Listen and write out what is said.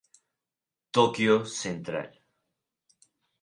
Tokio central.